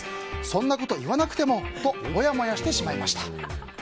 そんなこと言わなくてもともやもやしてしまいました。